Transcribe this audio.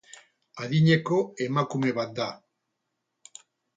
Adineko emakume bat da.